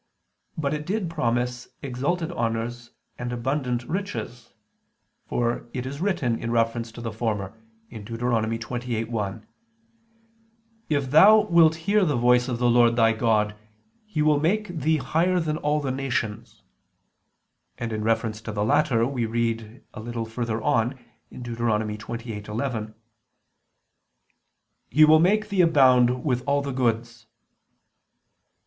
But it did promise exalted honors and abundant riches; for it is written in reference to the former (Deut. 28:1): "If thou wilt hear the voice of the Lord thy God ... He will make thee higher than all the nations"; and in reference to the latter, we read a little further on (Deut. 28:11): "He will make thee abound with all goods."